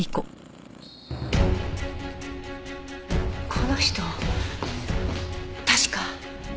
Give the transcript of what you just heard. この人確か。